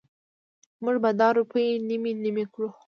مونږ به دا روپۍ نیمې نیمې کړو.